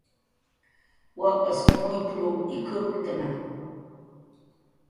"Wakas muyp""r ikrutna"